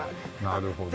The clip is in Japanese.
なるほどね。